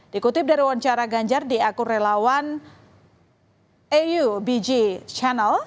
dikutip dari wawancara ganjar di akun relawan aubg channel